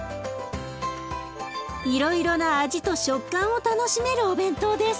いろいろな味と食感を楽しめるお弁当です。